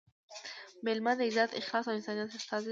مېلمه – د عزت، اخلاص او انسانیت استازی